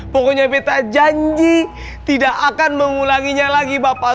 pokoknya peta janji tidak akan mengulanginya lagi bapak